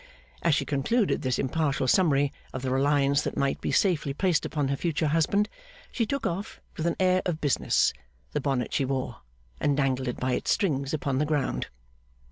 As she concluded this impartial summary of the reliance that might be safely placed upon her future husband, she took off, with an air of business, the bonnet she wore, and dangled it by its strings upon the ground.